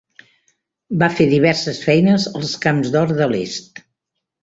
Va fer diverses feines als Camps d'Or de l'Est.